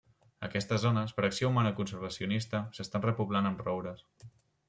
Aquestes zones, per acció humana conservacionista, s'estan repoblant amb roures.